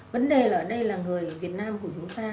vấn đề là ở đây là người việt nam của chúng ta